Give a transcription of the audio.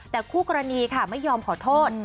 แต่คู่กรณีค่ะไม่ยอมขอโทษ